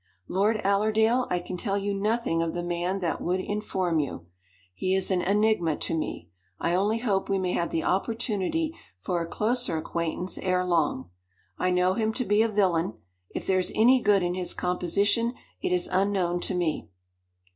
"Lord Allerdale, I can tell you nothing of the man that would inform you. He is an enigma to me. I only hope we may have the opportunity for a closer acquaintance ere long. I know him to be a villain; if there is any good in his composition, it is unknown to me."